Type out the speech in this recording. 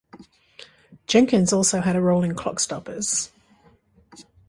Jenkins also had a role in "Clockstoppers".